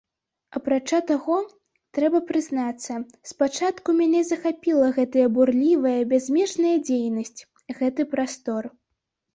Апрача таго, трэба прызнацца, спачатку мяне захапіла гэтая бурлівая, бязмежная дзейнасць, гэты прастор.